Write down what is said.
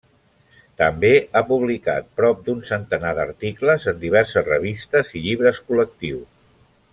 També ha publicat prop d'un centenar d'articles en diverses revistes i llibres col·lectius.